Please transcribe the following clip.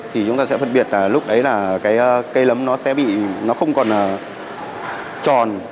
thì chúng ta sẽ phân biệt lúc đấy là cây lấm nó không còn tròn